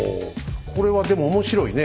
これはでも面白いね。